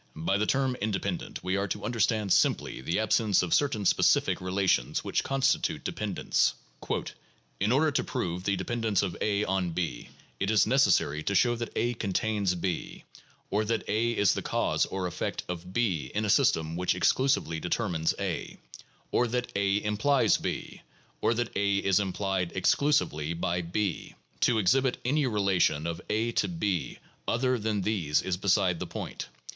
By the term independent we are to understand simply the absence of certain specific relations which constitute dependence. '' In order to prove the dependence of a on 5 it is necessary to show that a contains b; or that a is the cause or effect of b in a system which exclusively determines a; or that a implies b; or that a is implied ex clusively by b. To exhibit any relation of a to & other than these is beside the point.